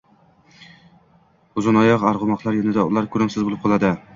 Uzunoyoq arg`umoqlar yonida ular ko`rimsiz bo`lib qoladi